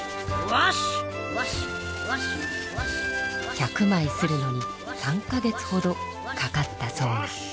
１００まい刷るのに３か月ほどかかったそうな。